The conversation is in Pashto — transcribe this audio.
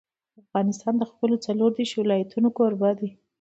افغانستان د خپلو څلور دېرش ولایتونو کوربه دی.